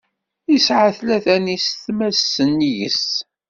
Yesεa tlata n yisetma-s sennig-s.